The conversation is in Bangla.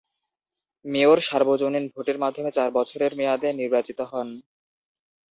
মেয়র সার্বজনীন ভোটের মাধ্যমে চার বছরের মেয়াদে নির্বাচিত হন।